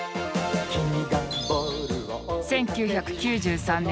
１９９３年